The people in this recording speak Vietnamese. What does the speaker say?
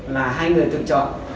là hai người tự chọn